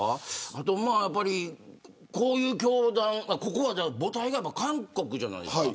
あとはやっぱり、こういう教団ここは母体が韓国じゃないですか。